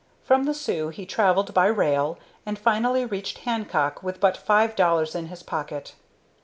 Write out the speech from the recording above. From the Sault he travelled by rail, and finally reached Hancock with but five dollars in his pocket.